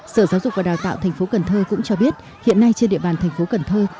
sở giáo dục và đào tạo tp cần thơ cũng cho biết hiện nay trên địa bàn tp cần thơ